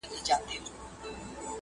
ورځه ویده سه موږ به څرک د سبا ولټوو!!!!!